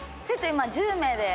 今、１０名です。